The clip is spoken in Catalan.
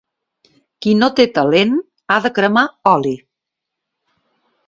Qui no té talent ha de cremar oli.